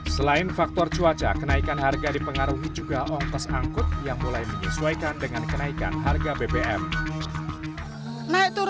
selain faktor cuaca kenaikan harga dipengaruhi juga ongkos angkut yang mulai menyebabkan keadaan yang lebih besar